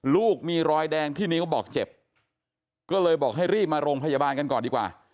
ลูกมีรอยแดงที่นิ้วบอกเจ็บก็เลยบอกให้รีบมาโรงพยาบาลกันก่อนดีกว่า